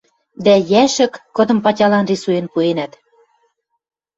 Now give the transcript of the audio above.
Дӓ йӓшӹк, кыдым патялан рисуен пуэнӓт.